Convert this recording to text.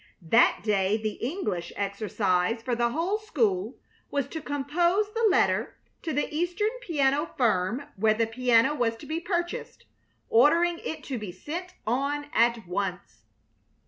That day the English exercise for the whole school was to compose the letter to the Eastern piano firm where the piano was to be purchased, ordering it to be sent on at once.